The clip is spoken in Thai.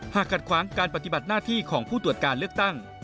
ขัดขวางการปฏิบัติหน้าที่ของผู้ตรวจการเลือกตั้ง